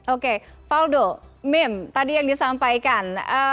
oke faldo meme tadi yang disampaikan